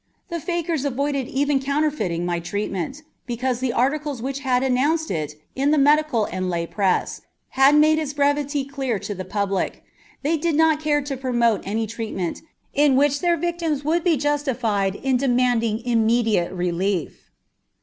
The fakers avoided even counterfeiting my treatment, because the articles which had announced it in the medical and lay press had made its brevity clear to the public; they did not care to promote any treatment in which their victims would be justified in demanding immediate relief.